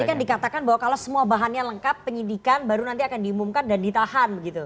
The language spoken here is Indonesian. tapi kan dikatakan bahwa kalau semua bahannya lengkap penyidikan baru nanti akan diumumkan dan ditahan begitu